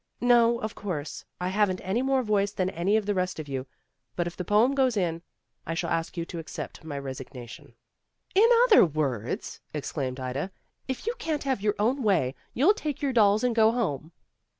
"No, of course. I haven't any more voice than any of the rest of you. But if the poem goes in, I shall ask you to accept my resignation. '' 262 PEGGY RAYMOND'S WAY "In other words," exclaimed Ida, "If you can't have your own way, you'll take your dolls and go home.